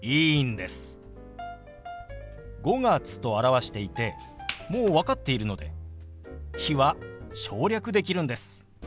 「５月」と表していてもう分かっているので「日」は省略できるんです。